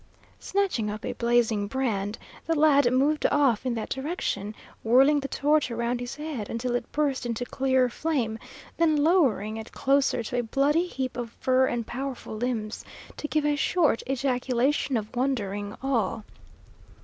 Snatching up a blazing brand, the lad moved off in that direction, whirling the torch around his head until it burst into clear flame, then lowering it closer to a bloody heap of fur and powerful limbs, to give a short ejaculation of wondering awe.